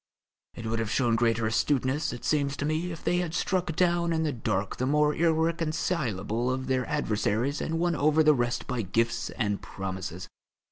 It would have shown greater astuteness, it seems to me, if they had struck down in the dark the more irreconcilable of their adversaries and won over the rest by gifts and promises.